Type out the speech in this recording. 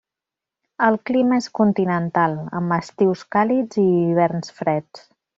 El clima és continental, amb estius càlids i hiverns freds.